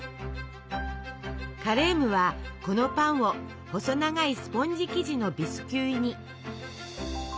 カレームはこのパンを細長いスポンジ生地のビスキュイに。